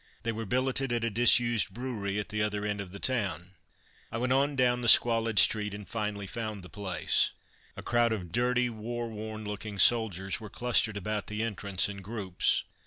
They were billeted at a disused brewery at the other end of the town. I went on down the squalid street and finally found the place. A crowd of dirty, war worn looking soldiers were clustered about the entrance in groups.